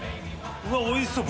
うわっおいしそう。